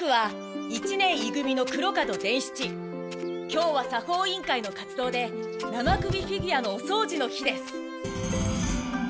今日は作法委員会の活動で生首フィギュアのおそうじの日です。